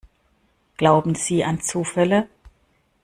Glauben Sie an Zufälle?